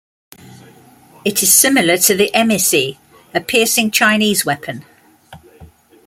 It is similar to the emeici, a piercing Chinese weapon.